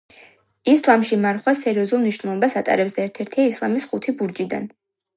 ისლამში მარხვა სერიოზულ მნიშვნელობას ატარებს და ერთ–ერთია ისლამის ხუთი ბურჯიდან.